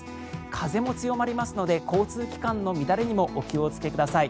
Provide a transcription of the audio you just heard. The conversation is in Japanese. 風も強まりますので交通機関の乱れにもお気をつけください。